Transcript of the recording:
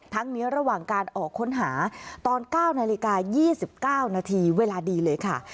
นี้ระหว่างการออกค้นหาตอน๙นาฬิกา๒๙นาทีเวลาดีเลยค่ะ